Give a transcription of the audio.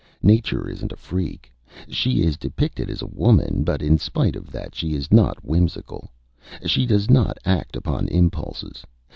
Nature isn't a freak. She is depicted as a woman, but in spite of that she is not whimsical. She does not act upon impulses.